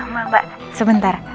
mbak mbak sebentar